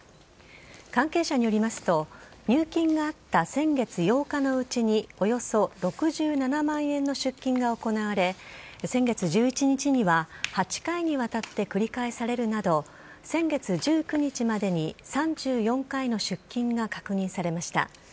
関係者によりますと入金があった先月８日のうちにおよそ６７万円の出金が行われ先月１１日には８回にわたって繰り返されるなど先月１９日までに３４回の出金が確認されました。